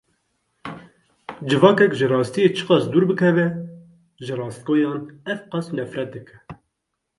Civakek ji rastiyê çi qas dûr bikeve, ji rastgoyan ew qas nefret dike.